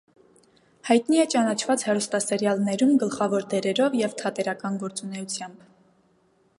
Հայտնի է ճանաչված հեռուստասերիալներում գլխավոր դերերով և թատերական գործունեությամբ։